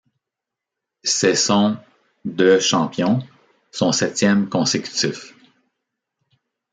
C’est son de champion, son septième consécutif.